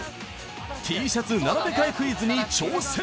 Ｔ シャツ並び替えクイズに挑戦